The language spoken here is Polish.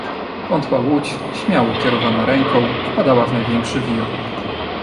"Wątła łódź, śmiałą kierowana ręką, wpadała w największy wir."